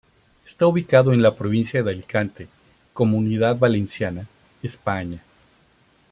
Está ubicado en la provincia de Alicante, comunidad Valenciana, España.